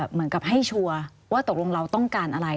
เหมือนกับให้ชัวร์ว่าตกลงเราต้องการอะไร